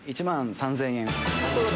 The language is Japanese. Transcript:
１万３０００円。